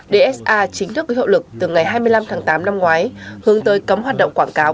dsa chính thức có hiệu lực từ ngày hai mươi năm tháng tám năm ngoái hướng tới cấm hoạt động quảng cáo